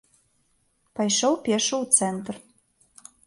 Пайшоў пешшу ў цэнтр.